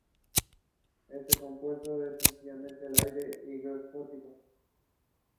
Este compuesto es sensible al aire e higroscópico.